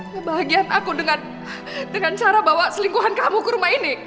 kebahagiaan aku dengan cara bawa selingkuhan kamu ke rumah ini